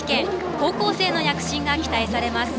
高校生の躍進が期待されます。